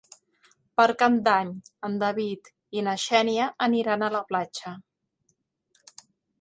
Per Cap d'Any en David i na Xènia aniran a la platja.